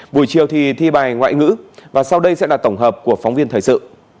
buổi chiều thì thi bài ngoại ngữ và sau đây sẽ là tổng hợp của phóng viên thời sự